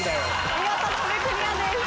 見事壁クリアです。